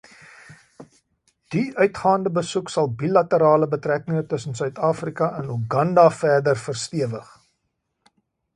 Dié uitgaande besoek sal bilaterale betrekkinge tussen Suid-Afrika en Uganda verder verstewig.